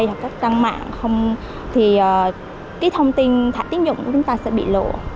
hoặc các trang mạng thì cái thông tin thạch tiếng dụng của chúng ta sẽ bị lộ